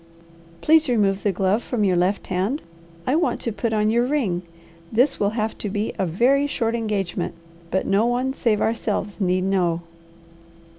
"Please remove the glove from your left hand. I want to put on your ring. This will have to be a very short engagement, but no one save ourselves need know."